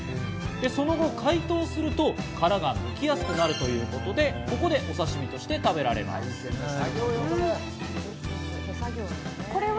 その後、解凍すると殻が剥きやすくなるということで、ここでお刺身として食べられるんです。